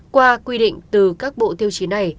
qua quy định từ các bộ tiêu chí này